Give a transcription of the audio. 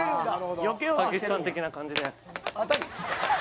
たけしさん的な感じで。